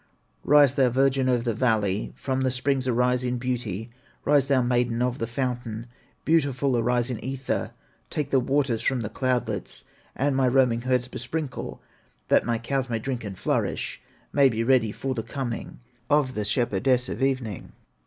"Rise thou virgin of the valley, From the springs arise in beauty, Rise thou maiden of the fountain, Beautiful, arise in ether, Take the waters from the cloudlets, And my roaming herds besprinkle, That my cows may drink and flourish, May be ready for the coming Of the shepherdess of evening.